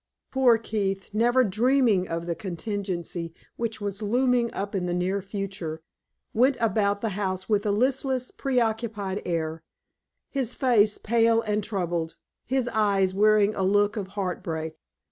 Poor Keith, never dreaming of the contingency which was looming up in the near future, went about the house with a listless, preoccupied air, his face pale and troubled, his eyes wearing a look of heart break.